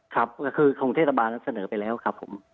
ครับก็คือของเทศบาลนั้นเสนอไปแล้วครับผม